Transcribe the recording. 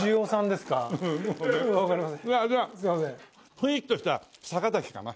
雰囲気としては坂崎かな。